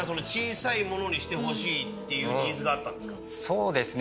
そうですね